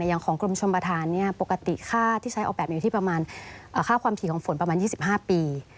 ของกรมชมประธานปกติค่าที่ใช้ออกแบบอยู่ที่ประมาณค่าความถี่ของฝนประมาณ๒๕ปี